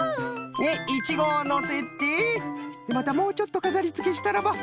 でイチゴをのせてまたもうちょっとかざりつけしたらば。